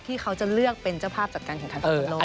ที่เขาจะเลือกเป็นเจ้าภาพจัดการแข่งขันกีฬาระดับโลก